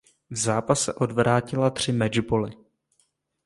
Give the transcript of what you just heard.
V zápase odvrátila tři mečboly.